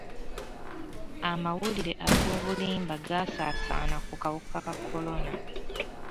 Amawulire ag'obulimba gasaasaana ku kawuka ka kolona.